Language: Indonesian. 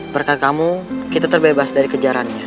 berkat kamu kita terbebas dari kejarannya